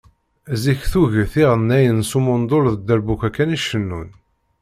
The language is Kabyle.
Zik tuget iɣennayen s umundol d dderbuka kan i cennun.